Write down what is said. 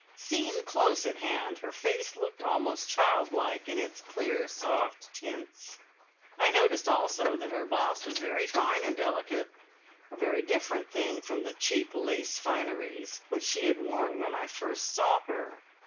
Seen close at hand, her face looked almost child like in its clear soft tints. I noticed also that her blouse was very fine and delicate, a very different thing from the cheap lace fineries which she had worn when I first saw her.